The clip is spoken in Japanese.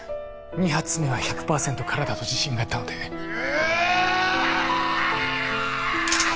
２発目は １００％ 空だと自信があったのでうーあーっ！